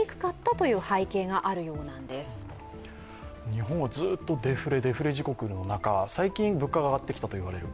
日本はずっとデフレデフレ地獄の中最近、物価が上がってきたといわれる。